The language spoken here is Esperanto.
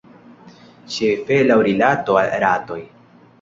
Ĉefe, laŭ rilato al ratoj.